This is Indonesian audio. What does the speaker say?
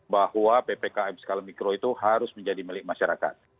bahwa ppkm skala mikro itu harus menjadi milik masyarakat